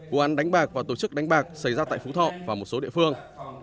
vụ án đánh bạc và tổ chức đánh bạc xảy ra tại phú thọ và một số địa phương